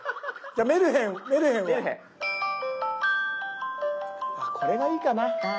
あっこれがいいかな。